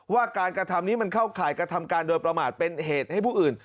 ว่าการกระทำนี้มันเข้าข่ายกระทำการโดยประมาทเป็นเหตุให้ผู้อื่น